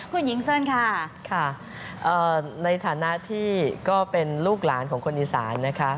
คุณหญิงเชิญค่ะค่ะในฐานะที่ก็เป็นลูกหลานของคนอีสานนะคะ